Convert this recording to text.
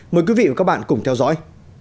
mời quý vị và các bạn cùng theo dõi